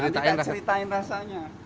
nanti akan ceritain rasanya